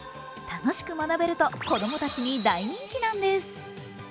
楽しく学べると子供たちに大人気なんです。